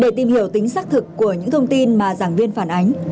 để tìm hiểu tính xác thực của những thông tin mà giảng viên phản ánh